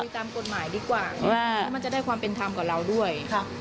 ตามกฎหมายดีกว่าแล้วมันจะได้ความเป็นธรรมกับเราด้วย